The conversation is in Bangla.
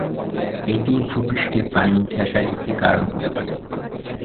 এটি ভূপৃষ্ঠে পানি উঠে আসার একটি কারণ হতে পারে।